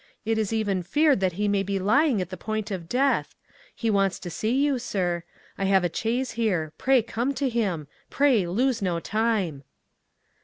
It is even feared that he may be lying at the point of death. He wants to see you, Sir. I have a chaise here. Pray come to him. Pray lose no time.